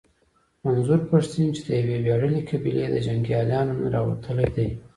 منظور پښتين چې د يوې وياړلې قبيلې د جنګياليانو نه راوتلی دی.